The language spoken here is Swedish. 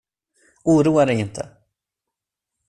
Oroa dig inte.